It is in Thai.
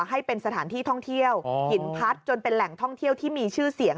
ให้เป็นสถานที่ท่องเที่ยวหินพัดจนเป็นแหล่งท่องเที่ยวที่มีชื่อเสียง